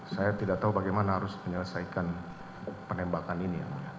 saya tidak tahu bagaimana harus menyelesaikan penembakan ini